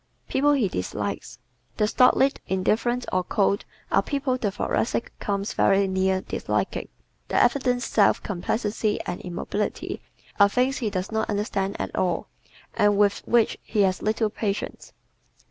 People He Dislikes ¶ The stolid, indifferent or cold are people the Thoracic comes very near disliking. Their evident self complacency and immobility are things he does not understand at all and with which he has little patience.